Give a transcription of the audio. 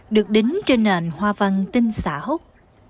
được đính trên nền hoa văn tinh xả hút